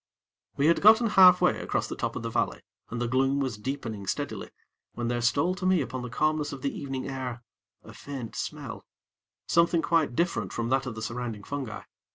We had gotten halfway across the top of the valley, and the gloom was deepening steadily, when there stole to me upon the calmness of the evening air, a faint smell; something quite different from that of the surrounding fungi.